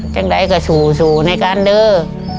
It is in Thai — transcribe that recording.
ถึงจะเรากะสูดในการด้วย